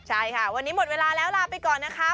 ใช่ค่ะวันนี้หมดเวลาแล้วลาไปก่อนนะคะ